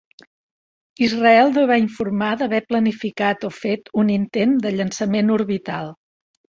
Israel no va informar d'haver planificat o fet un intent de llançament orbital.